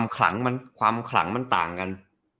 ความคลังมันต่างกัน